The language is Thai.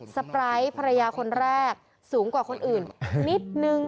สปร้ายภรรยาคนแรกสูงกว่าคนอื่นนิดนึง